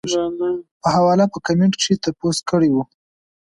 پۀ حواله پۀ کمنټ کښې تپوس کړے وۀ -